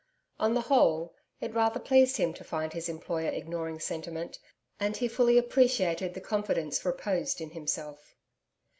On the whole, it rather pleased him to find his employer ignoring sentiment, and he fully appreciated the confidence reposed in himself.